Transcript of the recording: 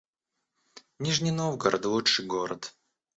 Нижний Новгород — лучший город